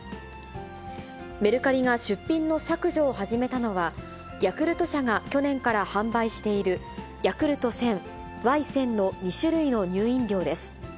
メルカリが出品の削除を始めたのは、ヤクルト社が去年から販売している、ヤクルト１０００、Ｙ１０００の２種類の乳飲料です。